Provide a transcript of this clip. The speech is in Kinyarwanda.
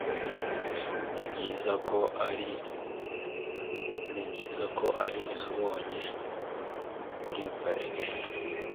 Nibyiza ko ari nabonye kuri parike.